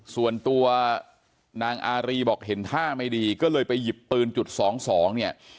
ส่วนตัวนางอารีบอกเห็นท่าไม่ดีก็เลยไปหยิบปืนจุดสองสองเนี่ย